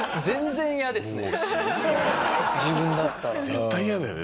絶対嫌だよね